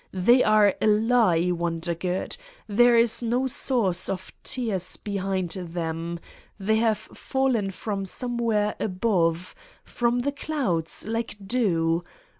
They are a lie, Wondergood ! There is no source of tears behind them. They have fallen from somewhere above, from the clouds, like dew.